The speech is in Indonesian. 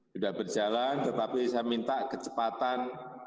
sudah berjalan tetapi saya minta kecepatan